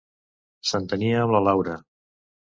S'entenia amb la Laura!